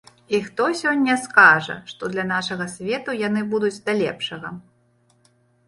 І хто сёння скажа, што для нашага свету яны будуць да лепшага?!